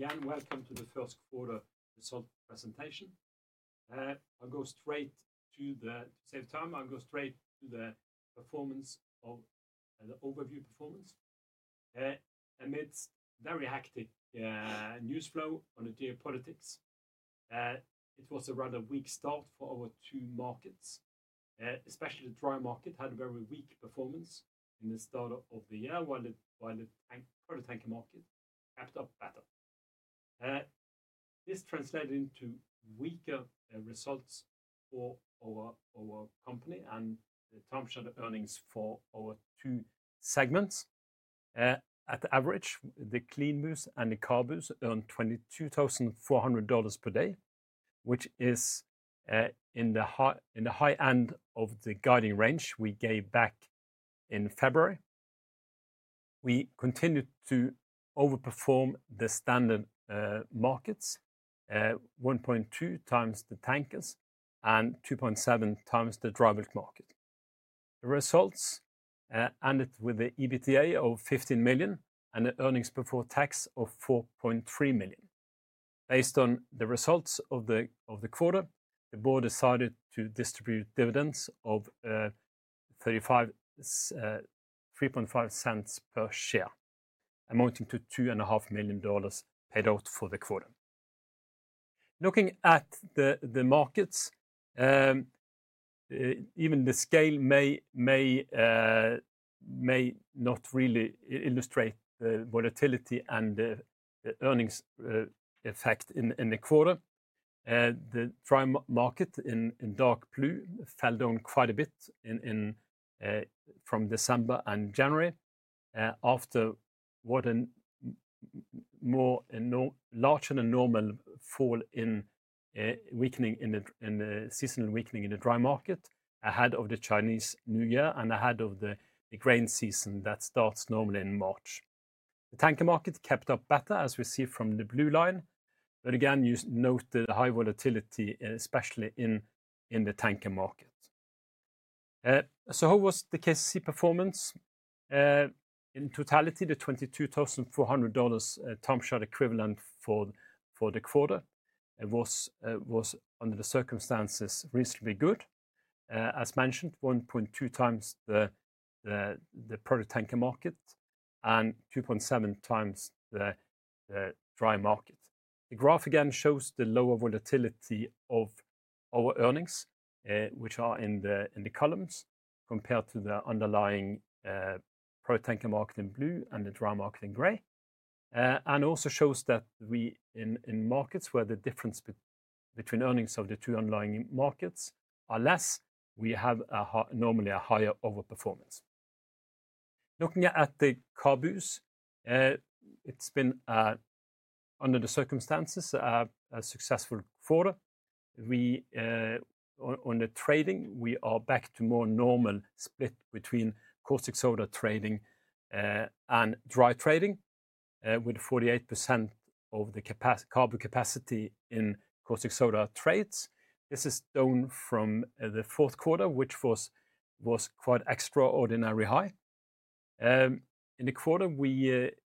Again, welcome to the first quarter result presentation. I'll go straight to the—to save time, I'll go straight to the performance of the overview performance. Amidst very hectic news flow on the geopolitics, it was a rather weak start for our two markets, especially the dry market had a very weak performance in the start of the year, while the product-tanker market kept up better. This translated into weaker results for our company and the term-shunted earnings for our two segments. At average, the CLEANBUs and the CABUs earned $22,400 per day, which is in the high end of the guiding range we gave back in February. We continued to overperform the standard markets, 1.2x the tankers and 2.7x the dry bulk market. The results ended with an EBITDA of $15 million and an earnings before tax of $4.3 million. Based on the results of the quarter, the board decided to distribute dividends of $0.035 per share, amounting to $2.5 million paid out for the quarter. Looking at the markets, even the scale may not really illustrate the volatility and the earnings effect in the quarter. The dry market in dark blue fell down quite a bit from December and January after what a large and a normal fall in weakening in the seasonal weakening in the dry market ahead of the Chinese New Year and ahead of the grain season that starts normally in March. The tanker market kept up better, as we see from the blue line, but again, you note the high volatility, especially in the tanker market. How was the KCC performance? In totality, the $22,400 time charter equivalent for the quarter was, under the circumstances, reasonably good. As mentioned, 1.2x the product-anchor market and 2.7x the dry market. The graph again shows the lower volatility of our earnings, which are in the columns compared to the underlying product-anchor market in blue and the dry market in gray, and also shows that in markets where the difference between earnings of the two underlying markets are less, we have normally a higher overperformance. Looking at the CABUs, it's been, under the circumstances, a successful quarter. On the trading, we are back to more normal split between caustic soda trading and dry trading with 48% of the CABU capacity in caustic soda trades. This is down from the fourth quarter, which was quite extraordinarily high. In the quarter, we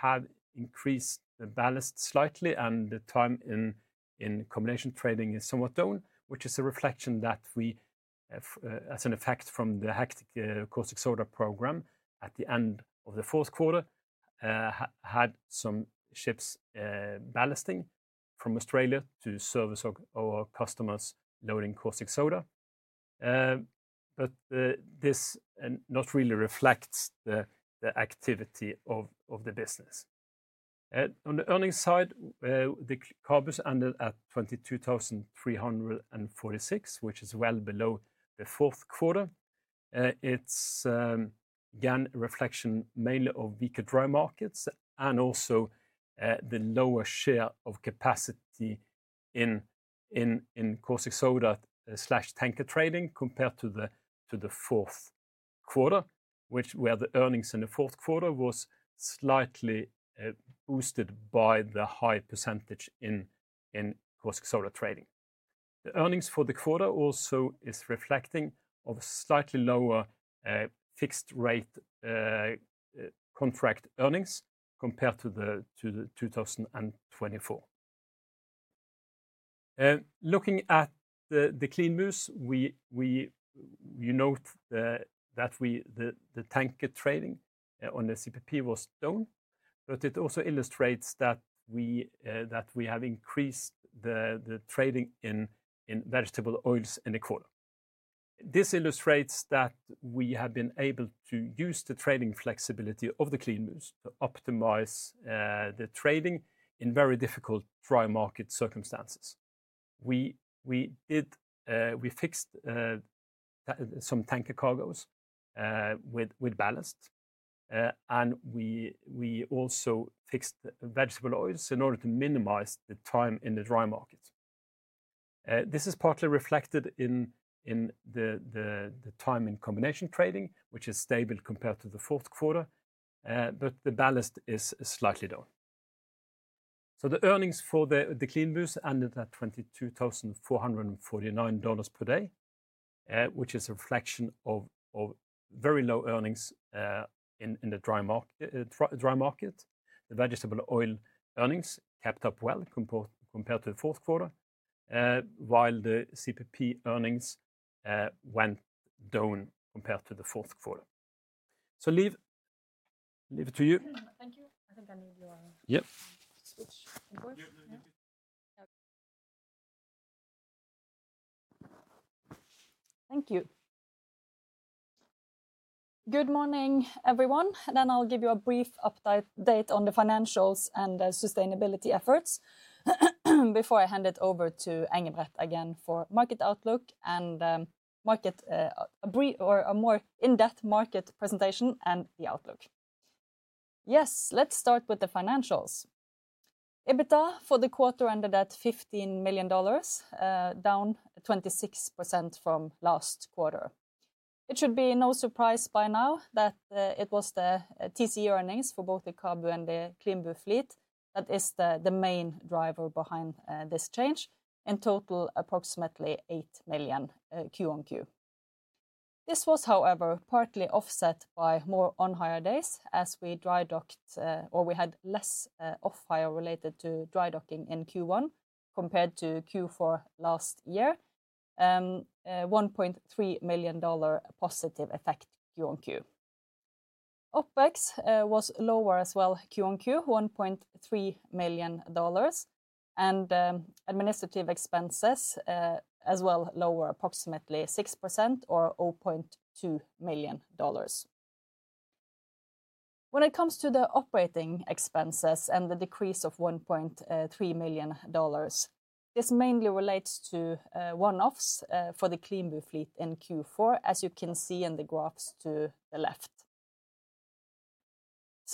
have increased the ballast slightly, and the time in combination trading is somewhat down, which is a reflection that we, as an effect from the hectic caustic soda program at the end of the fourth quarter, had some ships ballasting from Australia to service our customers loading caustic soda. This does not really reflect the activity of the business. On the earnings side, the CABUs ended at $22,346, which is well below the fourth quarter. It is again a reflection mainly of weaker dry markets and also the lower share of capacity in caustic soda/tanker trading compared to the fourth quarter, where the earnings in the fourth quarter were slightly boosted by the high percentage in caustic soda trading. The earnings for the quarter also are reflecting a slightly lower fixed rate contract earnings compared to 2024. Looking at the CLEANBUs, you note that the tanker trading on the CPP was down, but it also illustrates that we have increased the trading in vegetable oils in the quarter. This illustrates that we have been able to use the trading flexibility of the CLEANBUs to optimize the trading in very difficult dry market circumstances. We fixed some tanker cargoes with ballast, and we also fixed vegetable oils in order to minimize the time in the dry market. This is partly reflected in the time in combination trading, which is stable compared to the fourth quarter, but the ballast is slightly down. The earnings for the CLEANBUs ended at $22,449 per day, which is a reflection of very low earnings in the dry market. The vegetable oil earnings kept up well compared to the fourth quarter, while the CPP earnings went down compared to the fourth quarter. Liv, over to you. Thank you. I think I need your. Yep. Switch invoice. Thank you. Good morning, everyone. I will give you a brief update on the financials and sustainability efforts before I hand it over to Engebret again for market outlook and a more in-depth market presentation and the outlook. Yes, let's start with the financials. EBITDA for the quarter ended at $15 million, down 26% from last quarter. It should be no surprise by now that it was the TCE earnings for both the CABU and the CLEANBU fleet that is the main driver behind this change, in total approximately $8 million QoQ. This was, however, partly offset by more on-hire days as we dry docked or we had less off-hire related to dry docking in Q1 compared to Q4 last year, $1.3 million positive effect QoQ. OpEx was lower as well QoQ, $1.3 million, and administrative expenses as well lower, approximately 6% or $0.2 million. When it comes to the operating expenses and the decrease of $1.3 million, this mainly relates to one-offs for the CLEANBU fleet in Q4, as you can see in the graphs to the left.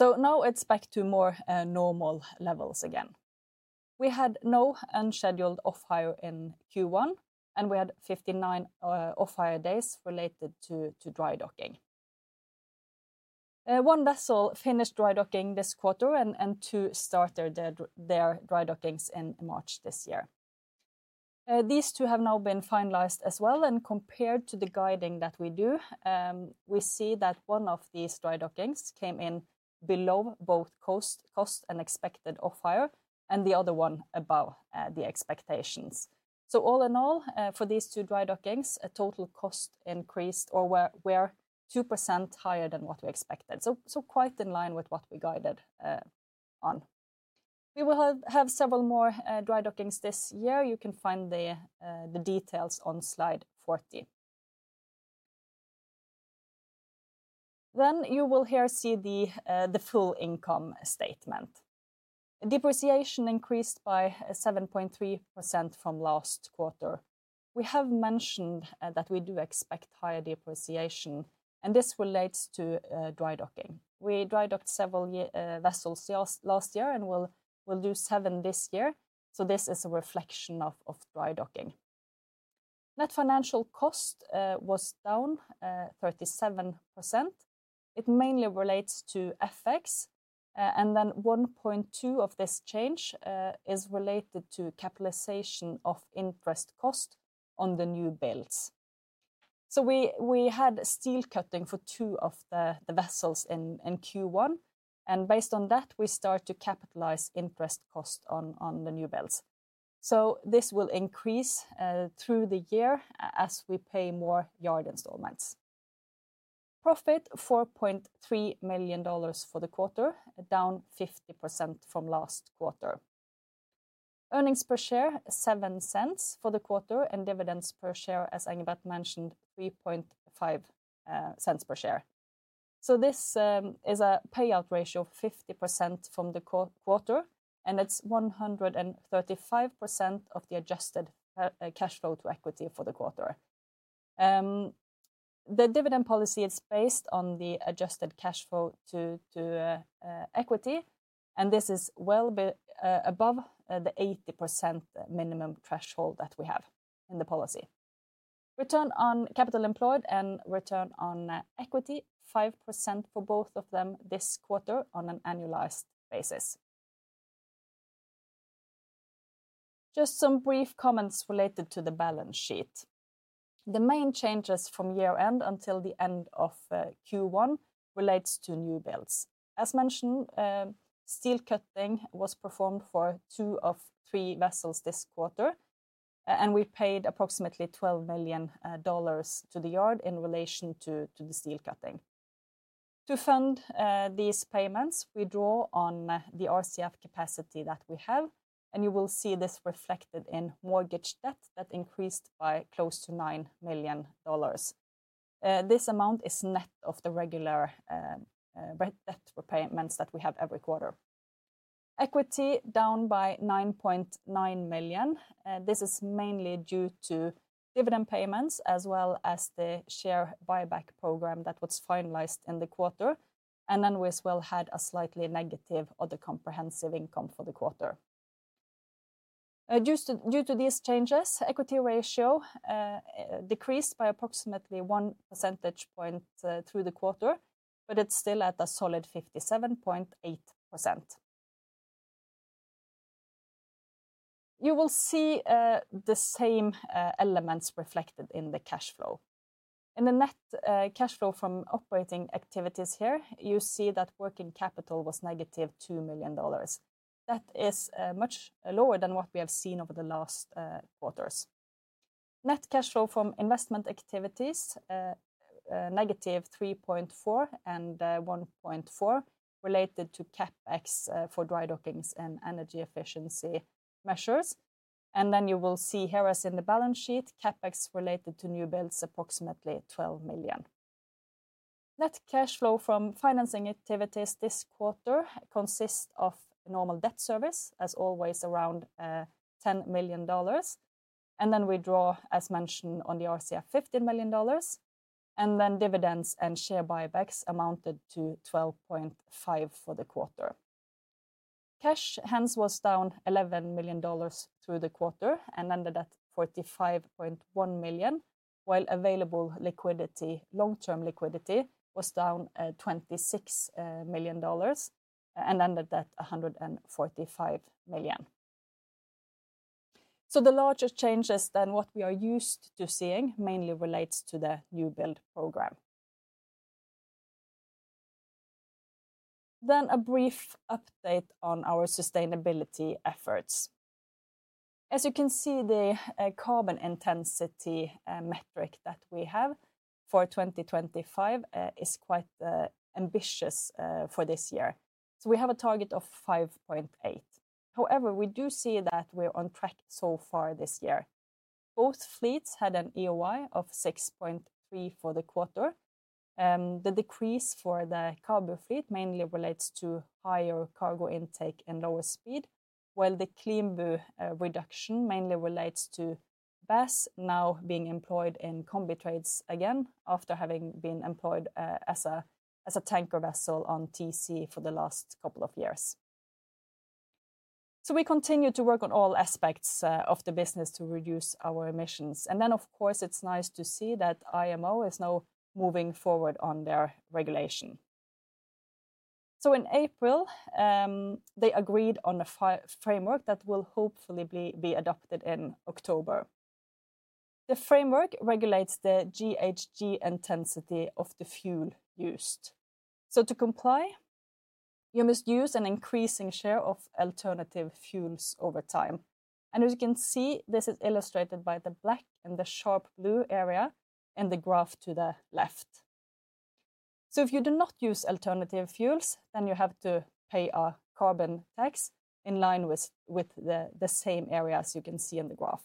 Now it is back to more normal levels again. We had no unscheduled off-hire in Q1, and we had 59 off-hire days related to dry docking. One vessel finished dry docking this quarter, and two started their dry dockings in March this year. These two have now been finalized as well, and compared to the guiding that we do, we see that one of these dry dockings came in below both cost and expected off-hire, and the other one above the expectations. All in all, for these two dry dockings, total cost increased or were 2% higher than what we expected, quite in line with what we guided on. We will have several more dry dockings this year. You can find the details on slide 40. You will here see the full income statement. Depreciation increased by 7.3% from last quarter. We have mentioned that we do expect higher depreciation, and this relates to dry docking. We dry docked several vessels last year and will do seven this year, so this is a reflection of dry docking. Net financial cost was down 37%. It mainly relates to FX, and then 1.2% of this change is related to capitalization of interest cost on the new builds. We had steel cutting for two of the vessels in Q1, and based on that, we start to capitalize interest cost on the new builds. This will increase through the year as we pay more yard installments. Profit, $4.3 million for the quarter, down 50% from last quarter. Earnings per share, $0.07 for the quarter, and dividends per share, as Engebret mentioned, $0.035 per share. This is a payout ratio of 50% from the quarter, and it is 135% of the adjusted cash flow to equity for the quarter. The dividend policy is based on the adjusted cash flow to equity, and this is well above the 80% minimum threshold that we have in the policy. Return on capital employed and return on equity, 5% for both of them this quarter on an annualized basis. Just some brief comments related to the balance sheet. The main changes from year-end until the end of Q1 relate to new builds. As mentioned, steel cutting was performed for two of three vessels this quarter, and we paid approximately $12 million to the yard in relation to the steel cutting. To fund these payments, we draw on the RCF capacity that we have, and you will see this reflected in mortgage debt that increased by close to $9 million. This amount is net of the regular debt repayments that we have every quarter. Equity down by $9.9 million. This is mainly due to dividend payments as well as the share buyback program that was finalized in the quarter, and then we as well had a slightly negative other comprehensive income for the quarter. Due to these changes, equity ratio decreased by approximately one percentage point through the quarter, but it is still at a solid 57.8%. You will see the same elements reflected in the cash flow. In the net cash flow from operating activities here, you see that working capital was negative $2 million. That is much lower than what we have seen over the last quarters. Net cash flow from investment activities, -$3.4 million and $1.4 million, related to CapEx for dry dockings and energy efficiency measures. You will see here as in the balance sheet, CapEx related to new builds approximately $12 million. Net cash flow from financing activities this quarter consists of normal debt service, as always around $10 million, and we draw, as mentioned, on the RCF $15 million, and then dividends and share buybacks amounted to $12.5 million for the quarter. Cash hence was down $11 million through the quarter and ended at $45.1 million, while available long-term liquidity was down $26 million and ended at $145 million. The larger changes than what we are used to seeing mainly relates to the new build program. A brief update on our sustainability efforts. As you can see, the carbon intensity metric that we have for 2025 is quite ambitious for this year. We have a target of 5.8. However, we do see that we're on track so far this year. Both fleets had an EOI of 6.3 for the quarter. The decrease for the CABU fleet mainly relates to higher cargo intake and lower speed, while the CLEANBU reduction mainly relates to BES now being employed in combi trades again after having been employed as a tanker vessel on TC for the last couple of years. We continue to work on all aspects of the business to reduce our emissions. Of course, it's nice to see that IMO is now moving forward on their regulation. In April, they agreed on a framework that will hopefully be adopted in October. The framework regulates the GHG intensity of the fuel used. To comply, you must use an increasing share of alternative fuels over time. As you can see, this is illustrated by the black and the sharp blue area in the graph to the left. If you do not use alternative fuels, then you have to pay a carbon tax in line with the same area as you can see in the graph.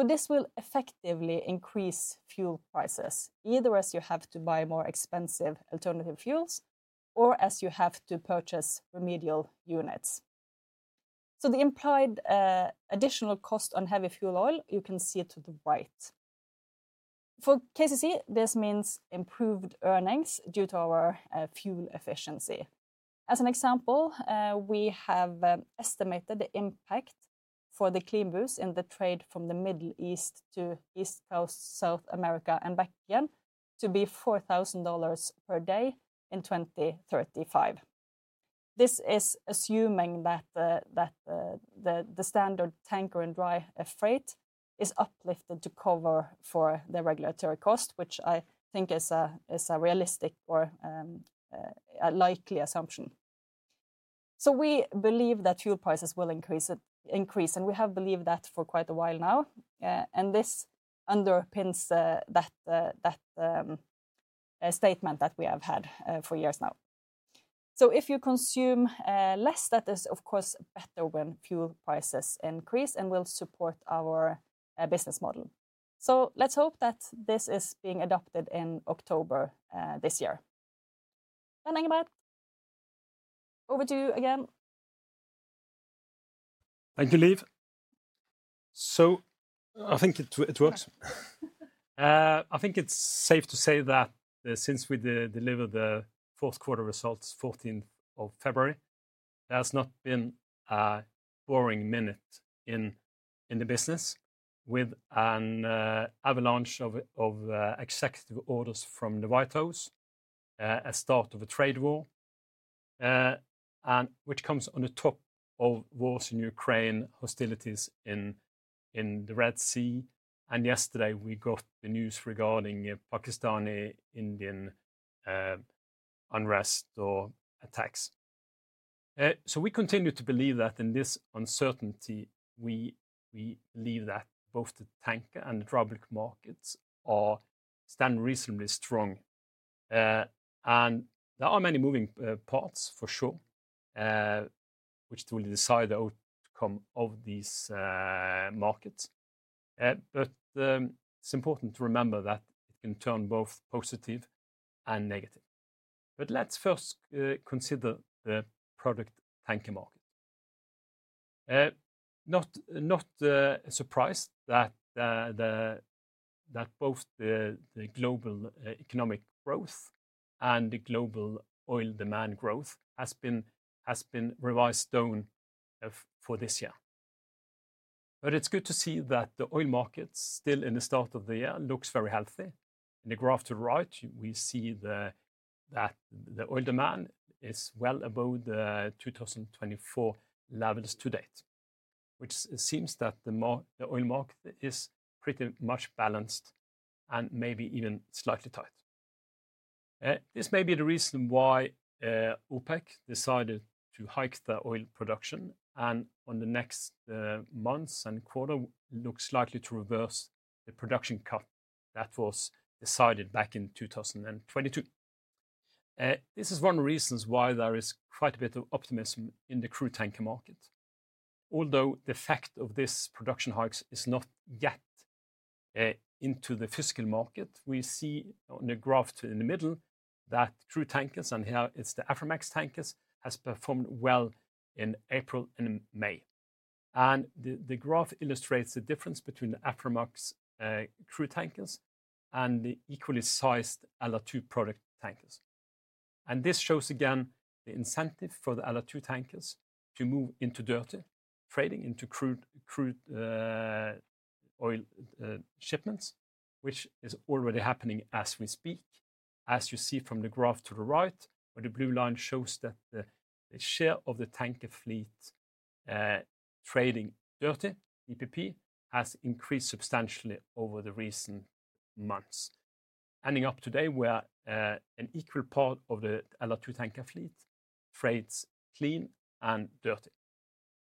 This will effectively increase fuel prices, either as you have to buy more expensive alternative fuels or as you have to purchase remedial units. The implied additional cost on heavy fuel oil, you can see it to the right. For KCC, this means improved earnings due to our fuel efficiency. As an example, we have estimated the impact for the CLEANBUs in the trade from the Middle East to East Coast South America and back again to be $4,000 per day in 2035. This is assuming that the standard tanker and dry freight is uplifted to cover for the regulatory cost, which I think is a realistic or a likely assumption. We believe that fuel prices will increase, and we have believed that for quite a while now, and this underpins that statement that we have had for years now. If you consume less, that is, of course, better when fuel prices increase and will support our business model. Let's hope that this is being adopted in October this year. Engebret, over to you again. Thank you, Liv. I think it works. I think it's safe to say that since we delivered the fourth quarter results 14th of February, there's not been a boring minute in the business with an avalanche of executive orders from the White House, a start of a trade war, which comes on the top of wars in Ukraine, hostilities in the Red Sea. Yesterday, we got the news regarding Pakistani-Indian unrest or attacks. We continue to believe that in this uncertainty, we believe that both the tanker and the public markets stand reasonably strong. There are many moving parts for sure, which will decide the outcome of these markets. It's important to remember that it can turn both positive and negative. Let's first consider the product tanker market. Not surprised that both the global economic growth and the global oil demand growth has been revised down for this year. It is good to see that the oil market still in the start of the year looks very healthy. In the graph to the right, we see that the oil demand is well above the 2024 levels to date, which seems that the oil market is pretty much balanced and maybe even slightly tight. This may be the reason why OPEC decided to hike the oil production, and on the next months and quarter, looks likely to reverse the production cut that was decided back in 2022. This is one of the reasons why there is quite a bit of optimism in the crude tanker market. Although the effect of this production hike is not yet into the fiscal market, we see on the graph in the middle that crude tankers, and here it is the Aframax tankers, have performed well in April and May. The graph illustrates the difference between the Aframax crude tankers and the equally-sized LR2 product tankers. This shows again the incentive for the LR2 tankers to move into dirty trading, into crude oil shipments, which is already happening as we speak. As you see from the graph to the right, the blue line shows that the share of the tanker fleet trading dirty, DPP, has increased substantially over the recent months. Ending up today where an equal part of the LR2 tanker fleet trades clean and dirty.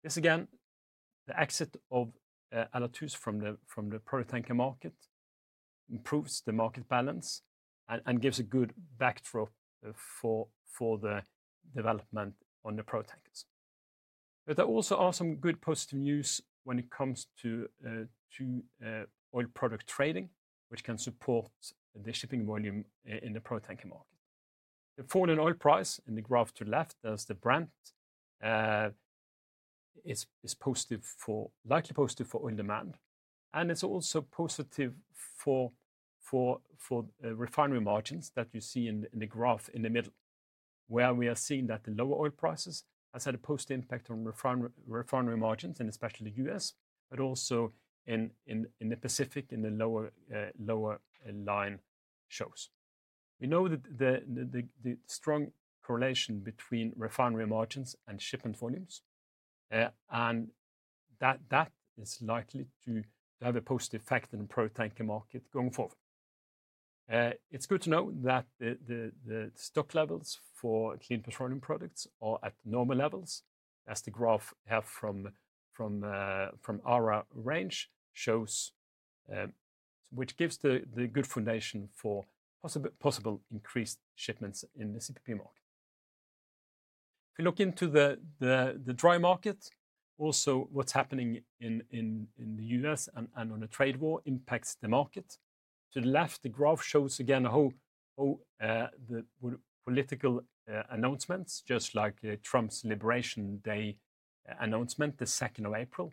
This again, the exit of [Alaturs] from the product tanker market improves the market balance and gives a good backdrop for the development on the product tankers. There also are some good positive news when it comes to oil product trading, which can support the shipping volume in the product tanker market. The fall in oil price in the graph to the left, there's the Brent, is likely positive for oil demand, and it's also positive for refinery margins that you see in the graph in the middle, where we are seeing that the lower oil prices has had a positive impact on refinery margins, and especially the U.S., but also in the Pacific in the lower line shows. We know that the strong correlation between refinery margins and shipment volumes, and that is likely to have a positive effect on the product tanker market going forward. It's good to know that the stock levels for clean petroleum products are at normal levels, as the graph from ARA range shows, which gives the good foundation for possible increased shipments in the CPP market. If you look into the dry market, also what's happening in the U.S. and on the trade war impacts the market. To the left, the graph shows again how the political announcements, just like Trump's Liberation Day announcement, the 2nd of April,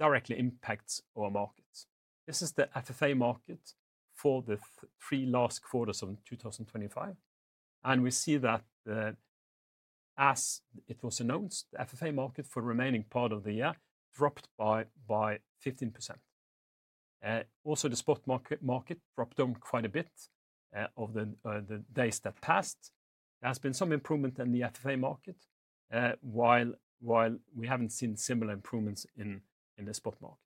directly impacts our markets. This is the FFA market for the three last quarters of 2025. We see that as it was announced, the FFA market for the remaining part of the year dropped by 15%. Also, the spot market dropped down quite a bit over the days that passed. There has been some improvement in the FFA market, while we haven't seen similar improvements in the spot market.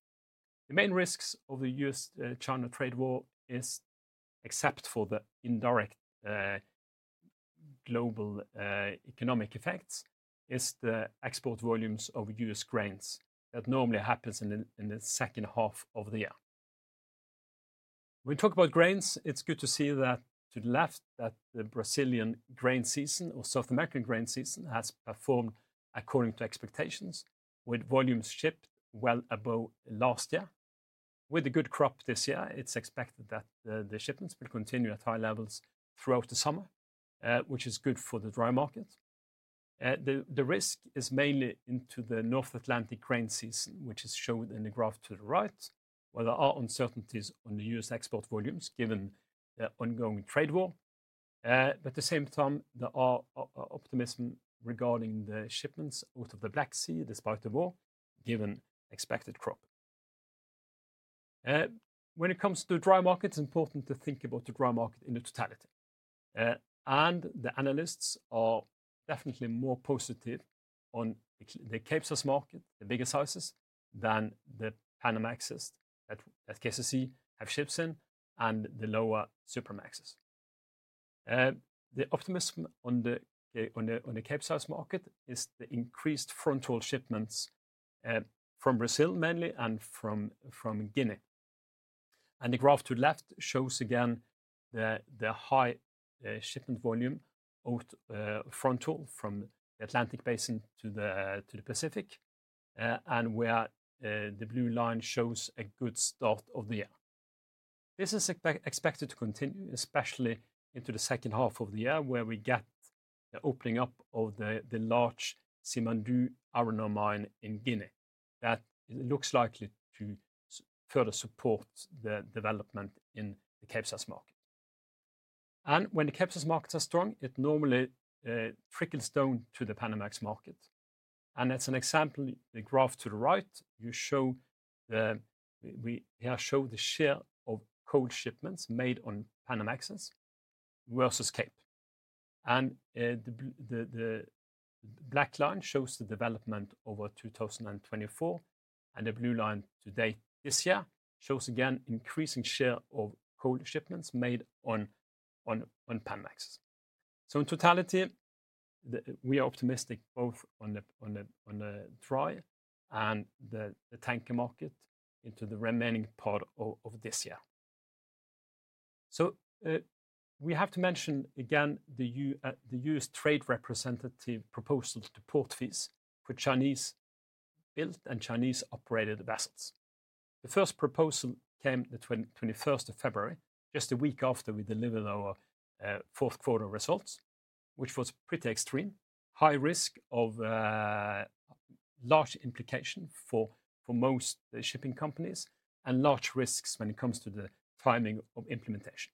The main risks of the U.S.-China trade war, except for the indirect global economic effects, is the export volumes of U.S. grains that normally happens in the second half of the year. When we talk about grains, it's good to see that to the left, that the Brazilian grain season or South American grain season has performed according to expectations, with volumes shipped well above last year. With a good crop this year, it's expected that the shipments will continue at high levels throughout the summer, which is good for the dry market. The risk is mainly into the North Atlantic grain season, which is shown in the graph to the right, where there are uncertainties on the U.S. export volumes given the ongoing trade war. At the same time, there are optimisms regarding the shipments out of the Black Sea despite the war, given expected crop. When it comes to dry markets, it's important to think about the dry market in the totality. The analysts are definitely more positive on the Capesize market, the biggest houses, than the Panamax that KCC have ships in and the lower Supramaxes. The optimism on the Capesize market is the increased iron ore shipments from Brazil mainly and from Guinea. The graph to the left shows again the high shipment volume out iron ore from the Atlantic Basin to the Pacific, and where the blue line shows a good start of the year. This is expected to continue, especially into the second half of the year, where we get the opening up of the large Simandou iron ore mine in Guinea. That looks likely to further support the development in the Capesize market. When the Capesize markets are strong, it normally trickles down to the Panamax market. As an example, the graph to the right, we show the share of coal shipments made on Panamaxes versus Cape. The black line shows the development over 2024, and the blue line to date this year shows again an increasing share of coal shipments made on Panamaxes. In totality, we are optimistic both on the dry and the tanker market into the remaining part of this year. We have to mention again the U.S. Trade Representative proposal to port fees for Chinese-built and Chinese-operated vessels. The first proposal came the 21st of February, just a week after we delivered our fourth quarter results, which was pretty extreme, high risk of large implication for most shipping companies and large risks when it comes to the timing of implementation.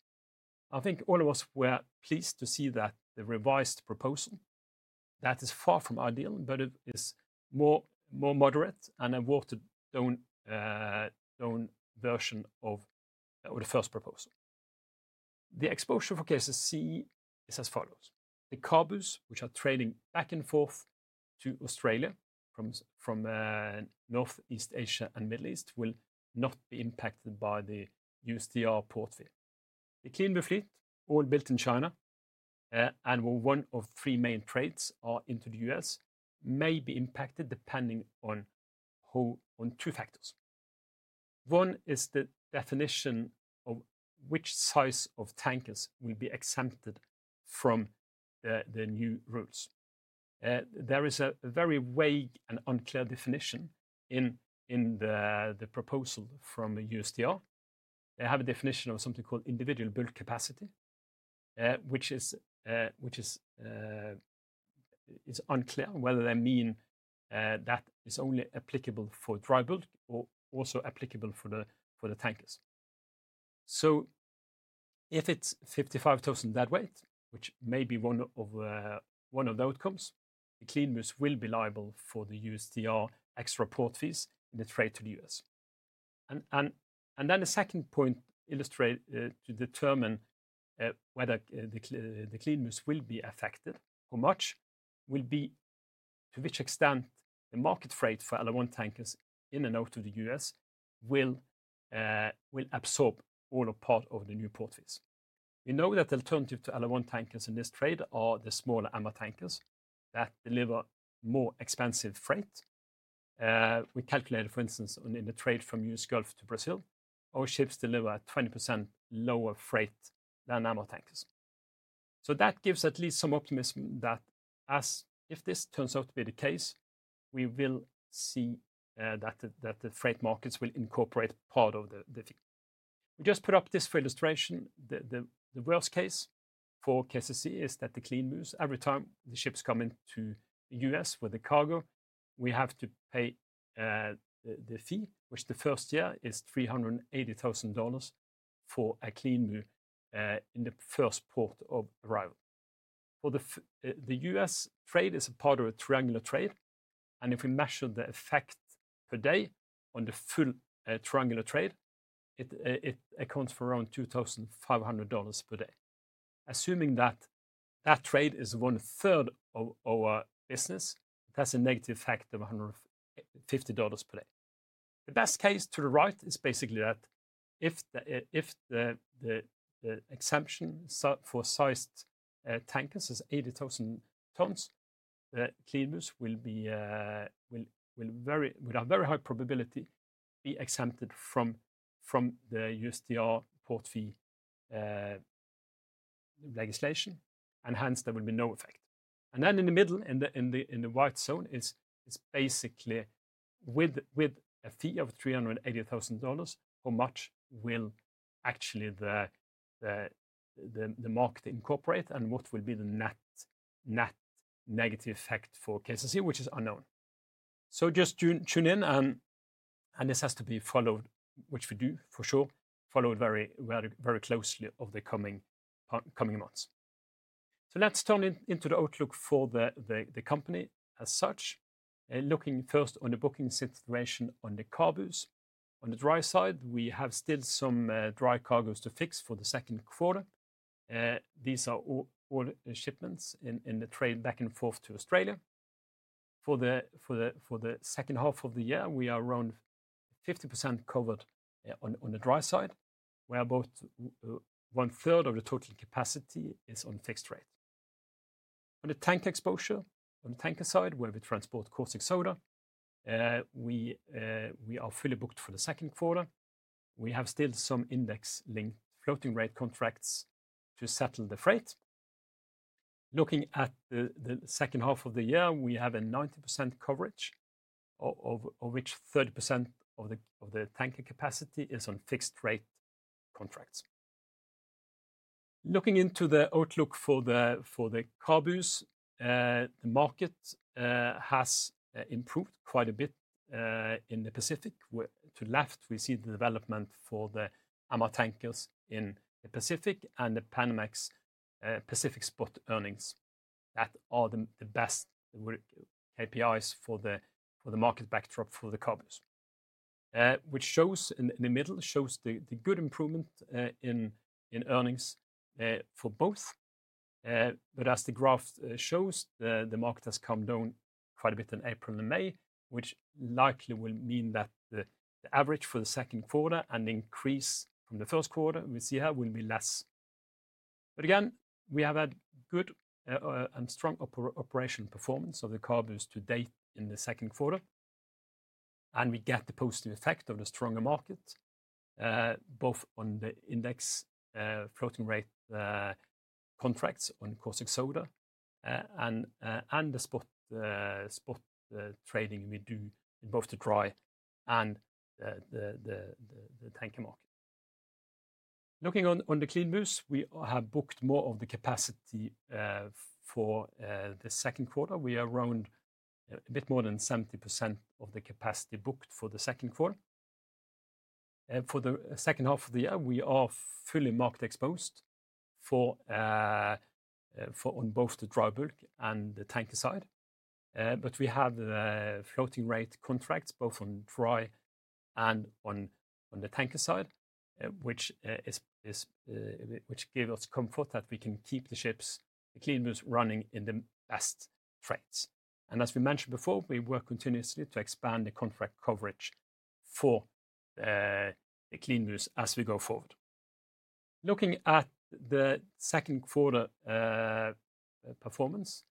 I think all of us were pleased to see that the revised proposal, that is far from ideal, but it is more moderate and a watered-down version of the first proposal. The exposure for KCC is as follows. The cargoes which are trading back and forth to Australia from Northeast Asia and Middle East will not be impacted by the USTR port fee. The CLEANBU, all built in China, and one of three main trades are into the U.S., may be impacted depending on two factors. One is the definition of which size of tankers will be exempted from the new rules. There is a very vague and unclear definition in the proposal from USTR. They have a definition of something called individual bulk capacity, which is unclear whether they mean that is only applicable for dry bulk or also applicable for the tankers. If it's 55,000 deadweight, which may be one of the outcomes, the CLEANBUs will be liable for the USD extra port fees in the trade to the U.S. The second point illustrated to determine whether the CLEANBUs will be affected, how much, will be to which extent the market freight for LR1 tankers in and out of the U.S. will absorb all or part of the new port fees. We know that alternatives to LR1 tankers in this trade are the smaller MR tankers that deliver more expensive freight. We calculated, for instance, in the trade from U.S. Gulf to Brazil, our ships deliver a 20% lower freight than MR tankers. That gives at least some optimism that if this turns out to be the case, we will see that the freight markets will incorporate part of the fee. We just put up this for illustration. The worst case for KCC is that the CLEANBU, every time the ships come into the U.S. with the cargo, we have to pay the fee, which the first year is $380,000 for a CLEANBU in the first port of arrival. The U.S. trade is a part of a triangular trade, and if we measure the effect per day on the full triangular trade, it accounts for around $2,500 per day. Assuming that that trade is one third of our business, it has a negative effect of $150 per day. The best case to the right is basically that if the exemption for sized tankers is 80,000 tons, the CLEANBU will have very high probability to be exempted from the USTR port fee legislation, and hence there will be no effect. In the middle, in the white zone, is basically with a fee of $380,000, how much will actually the market incorporate and what will be the net negative effect for KCC, which is unknown. Just tune in, and this has to be followed, which we do for sure, followed very closely over the coming months. Let's turn into the outlook for the company as such, looking first on the bookings situation on the cargoes. On the dry side, we have still some dry cargoes to fix for the second quarter. These are all shipments in the trade back and forth to Australia. For the second half of the year, we are around 50% covered on the dry side, where about one third of the total capacity is on fixed rate. On the tank exposure, on the tanker side, where we transport caustic soda, we are fully booked for the second quarter. We have still some index-linked floating rate contracts to settle the freight. Looking at the second half of the year, we have a 90% coverage, of which 30% of the tanker capacity is on fixed rate contracts. Looking into the outlook for the cargoes, the market has improved quite a bit in the Pacific. To the left, we see the development for the ammo tankers in the Pacific and the Panamax Pacific spot earnings. That are the best KPIs for the market backdrop for the cargoes, which shows in the middle, shows the good improvement in earnings for both. As the graph shows, the market has come down quite a bit in April and May, which likely will mean that the average for the second quarter and the increase from the first quarter we see here will be less. Again, we have had good and strong operational performance of the cargoes to date in the second quarter, and we get the positive effect of the stronger market, both on the index floating rate contracts on caustic soda and the spot trading we do in both the dry and the tanker market. Looking on the CLEANBUs, we have booked more of the capacity for the second quarter. We are around a bit more than 70% of the capacity booked for the second quarter. For the second half of the year, we are fully market exposed on both the dry bulk and the tanker side. We have floating rate contracts both on dry and on the tanker side, which gives us comfort that we can keep the ships, the CLEANBUs, running in the best trades. As we mentioned before, we work continuously to expand the contract coverage for the CLEANBUs as we go forward. Looking at the second quarter performance,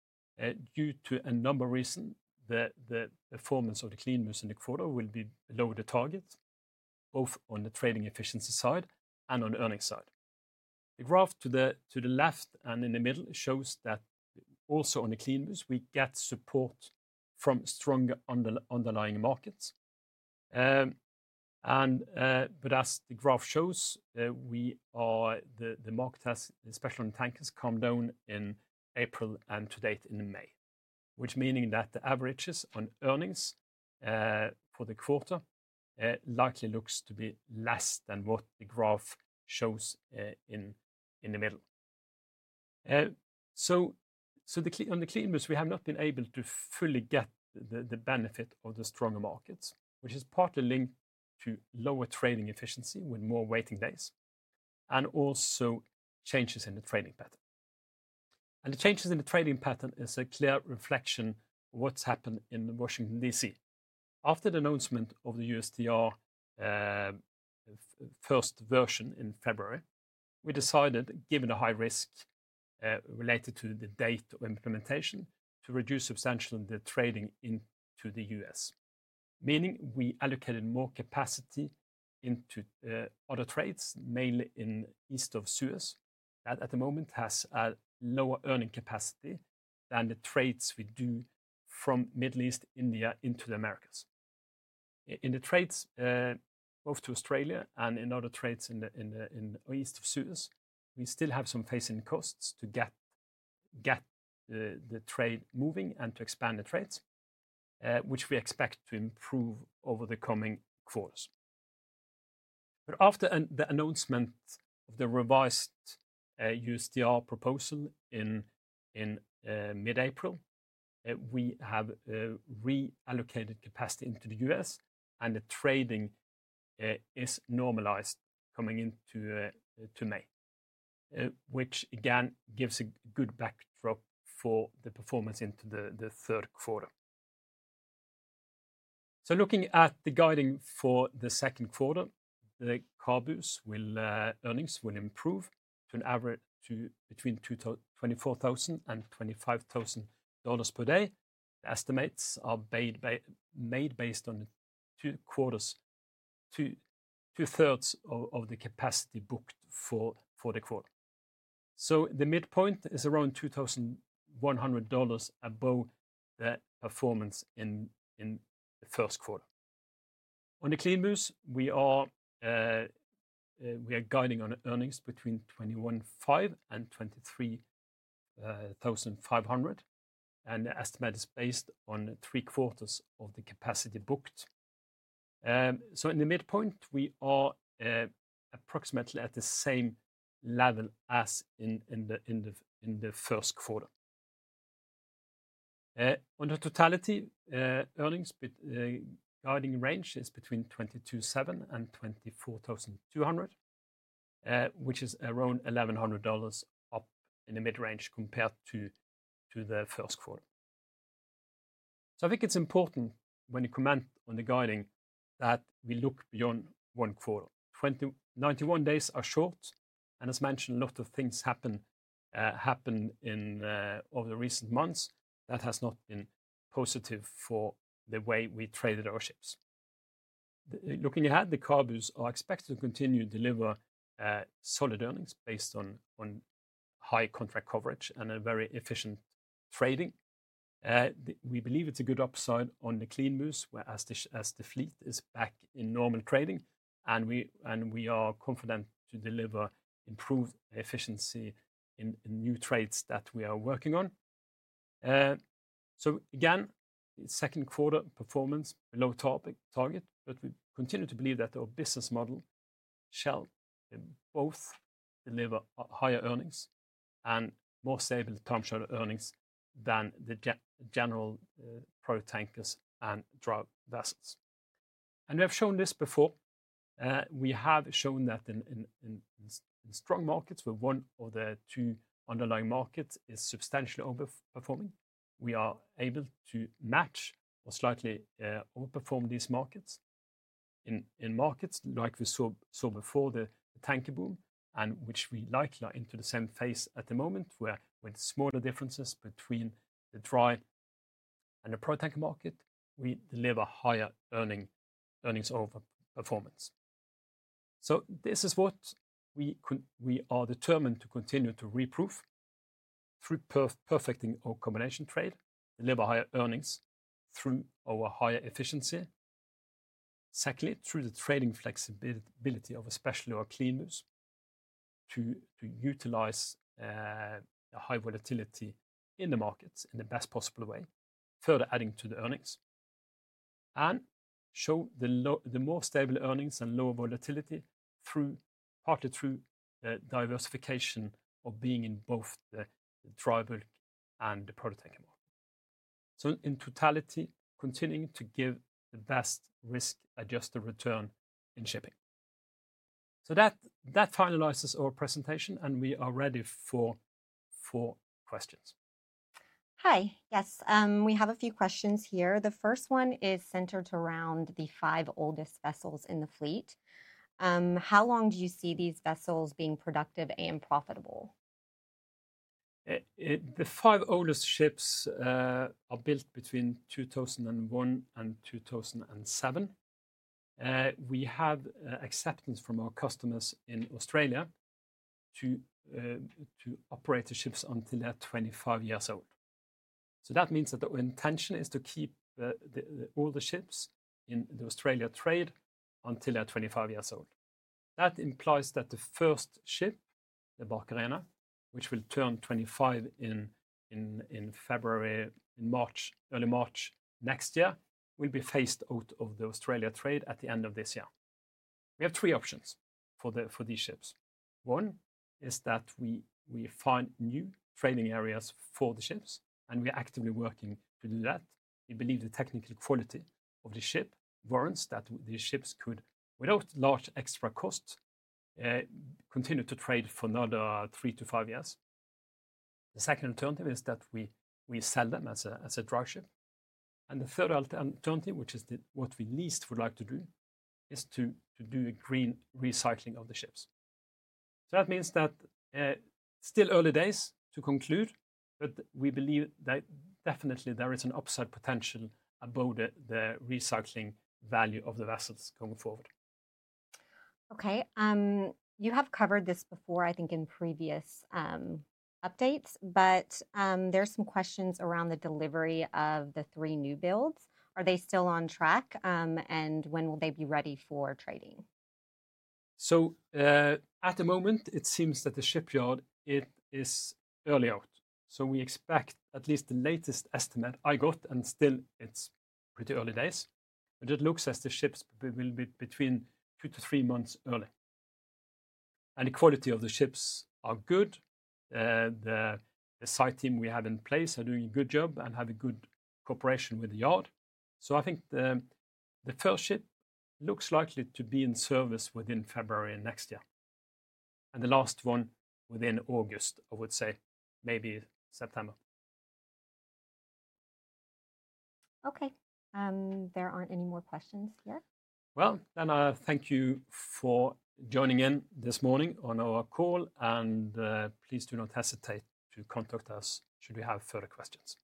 due to a number of reasons, the performance of the CLEANBUs in the quarter will be below the target, both on the trading efficiency side and on the earnings side. The graph to the left and in the middle shows that also on the CLEANBUs, we get support from stronger underlying markets. As the graph shows, the market has, especially on tankers, come down in April and to date in May, which means that the averages on earnings for the quarter likely looks to be less than what the graph shows in the middle. On the CLEANBUs, we have not been able to fully get the benefit of the stronger markets, which is partly linked to lower trading efficiency with more waiting days and also changes in the trading pattern. The changes in the trading pattern is a clear reflection of what's happened in Washington, D.C. After the announcement of the USTR first version in February, we decided, given the high risk related to the date of implementation, to reduce substantially the trading into the U.S., meaning we allocated more capacity into other trades, mainly in east of Suez, that at the moment has a lower earning capacity than the trades we do from Middle East, India, into the Americas. In the trades, both to Australia and in other trades in east of Suez, we still have some facing costs to get the trade moving and to expand the trades, which we expect to improve over the coming quarters. After the announcement of the revised USTR proposal in mid-April, we have reallocated capacity into the U.S., and the trading is normalized coming into May, which again gives a good backdrop for the performance into the third quarter. Looking at the guiding for the second quarter, the cargoes' earnings will improve to an average between $24,000 and $25,000 per day. The estimates are made based on two quarters, 2/3 of the capacity booked for the quarter. The midpoint is around $2,100 above the performance in the first quarter. On the CLEANBUs, we are guiding on earnings between $21,500 and $23,500, and the estimate is based on three quarters of the capacity booked. In the midpoint, we are approximately at the same level as in the first quarter. On the totality earnings, guiding range is between $22,700 and $24,200, which is around $1,100 up in the mid-range compared to the first quarter. I think it is important when you comment on the guiding that we look beyond one quarter. Ninety-one days are short, and as mentioned, a lot of things happened over the recent months that have not been positive for the way we traded our ships. Looking ahead, the cargoes are expected to continue to deliver solid earnings based on high contract coverage and very efficient trading. We believe there is a good upside on the CLEANBUs whereas the fleet is back in normal trading, and we are confident to deliver improved efficiency in new trades that we are working on. The second quarter performance was below target, but we continue to believe that our business model shall both deliver higher earnings and more stable term shuttle earnings than the general pro tankers and dry vessels. We have shown this before. We have shown that in strong markets, where one of the two underlying markets is substantially overperforming, we are able to match or slightly overperform these markets. In markets like we saw before the tanker boom, which we likely are into the same phase at the moment, where with smaller differences between the dry and the pro tanker market, we deliver higher earnings over performance. This is what we are determined to continue to reprove through perfecting our combination trade, deliver higher earnings through our higher efficiency, secondly, through the trading flexibility of especially our CLEANBUs to utilize high volatility in the markets in the best possible way, further adding to the earnings, and show the more stable earnings and lower volatility partly through diversification of being in both the dry bulk and the pro tanker market. In totality, continuing to give the best risk-adjusted return in shipping. That finalizes our presentation, and we are ready for questions. Hi, yes, we have a few questions here. The first one is centered around the five oldest vessels in the fleet. How long do you see these vessels being productive and profitable? The five oldest ships are built between 2001 and 2007. We have acceptance from our customers in Australia to operate the ships until they are 25 years old. That means that our intention is to keep all the ships in the Australia trade until they are 25 years old. That implies that the first ship, the Barcarena, which will turn 25 in February, in March, early March next year, will be phased out of the Australia trade at the end of this year. We have three options for these ships. One is that we find new trading areas for the ships, and we are actively working to do that. We believe the technical quality of the ship warrants that the ships could, without large extra costs, continue to trade for another three to five years. The second alternative is that we sell them as a dry ship. The third alternative, which is what we least would like to do, is to do a green recycling of the ships. That means that still early days to conclude, but we believe that definitely there is an upside potential above the recycling value of the vessels going forward. Okay, you have covered this before, I think in previous updates, but there are some questions around the delivery of the three new builds. Are they still on track, and when will they be ready for trading? At the moment, it seems that the shipyard, it is early out. We expect at least the latest estimate I got, and still it's pretty early days, but it looks as the ships will be between two to three months early. The quality of the ships are good. The site team we have in place are doing a good job and have a good cooperation with the yard. I think the first ship looks likely to be in service within February next year, and the last one within August, I would say maybe September. There aren't any more questions here. I thank you for joining in this morning on our call, and please do not hesitate to contact us should we have further questions. Thank you.